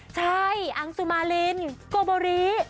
ใช่อังสุมารินโกโบริ